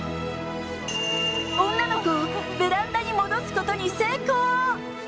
女の子をベランダに戻すことに成功。